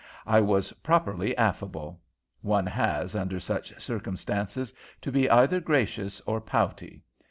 I was properly affable. One has, under such circumstances, to be either gracious or pouty.